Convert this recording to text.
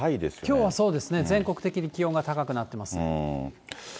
きょうはそうですね、全国的に気温が高くなってます。